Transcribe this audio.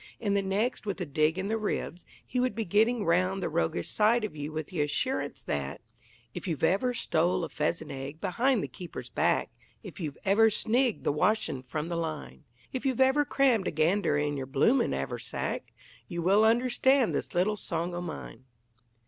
In the next, with a dig in the ribs, he would be getting round the roguish side of you with the assurance that: If you've ever stole a pheasant egg behind the keeper's back, If you've ever snigged the washin' from the line, If you've ever crammed a gander in your bloomin' 'aversack, You will understand this little song o' mine.